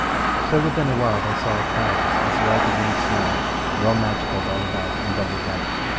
So within a while they saw a tower as white as any snow, well matchecold all about, and double dyked.